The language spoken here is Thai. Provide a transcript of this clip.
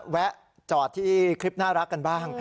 แวะจอดที่คลิปน่ารักกันบ้าง